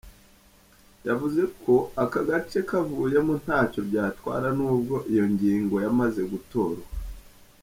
Yavuze ko ako gace kavuyemo ntacyo byatwara n’ubwo iyo ngingo yamaze gutorwa.